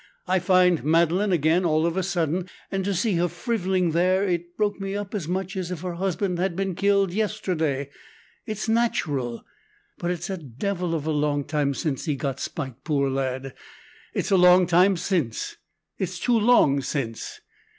I find Madeleine again all of a sudden, and to see her frivvling there it broke me up as much as if her husband had been killed yesterday it's natural. But it's a devil of a long time since he got spiked, poor lad. It's a long time since, it's too long since.